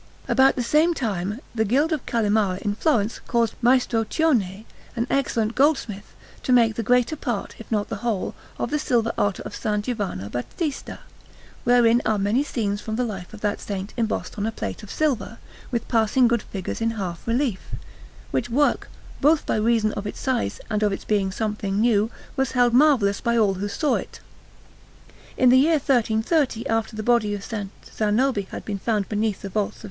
About the same time, the Guild of Calimara in Florence caused Maestro Cione, an excellent goldsmith, to make the greater part, if not the whole, of the silver altar of S. Giovanni Battista, wherein are many scenes from the life of that Saint embossed on a plate of silver, with passing good figures in half relief; which work, both by reason of its size and of its being something new, was held marvellous by all who saw it. In the year 1330, after the body of S. Zanobi had been found beneath the vaults of S.